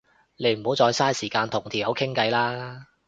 你唔好再嘥時間同條友傾啦